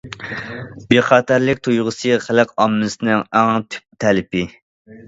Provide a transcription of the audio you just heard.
بىخەتەرلىك تۇيغۇسى خەلق ئاممىسىنىڭ ئەڭ تۈپ تەلىپى.